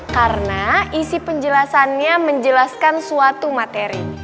karena isi penjelasannya menjelaskan suatu materi